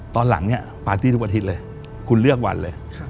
ตอนหลังเนี่ยปาร์ตี้ทุกอาทิตย์เลยคุณเลือกวันเลย